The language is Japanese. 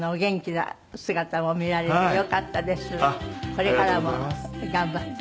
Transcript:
これからも頑張って。